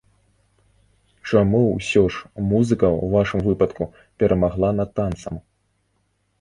Чаму, усё ж, музыка ў вашым выпадку перамагла над танцам?